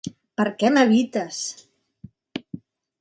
Per què m'evites?